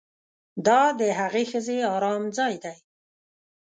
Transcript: دا د هغې ښځې ارام ځای دی